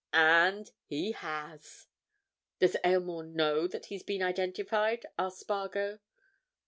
And—he has!" "Does Aylmore know that he's been identified?" asked Spargo.